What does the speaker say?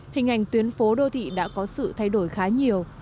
hình ảnh tuyến phố đô thị đã có sự thay đổi khá nhiều